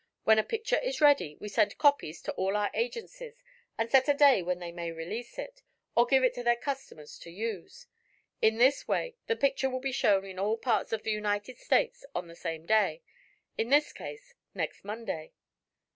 When a picture is ready, we send copies to all our agencies and set a day when they may release it, or give it to their customers to use. In this way the picture will be shown in all parts of the United States on the same day in this case, next Monday."